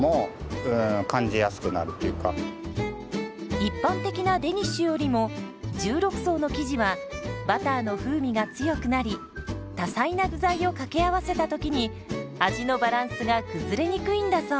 一般的なデニッシュよりも１６層の生地はバターの風味が強くなり多彩な具材を掛け合わせた時に味のバランスが崩れにくいんだそう。